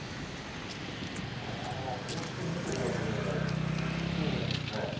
こうして見てるだけでもいいもんですね。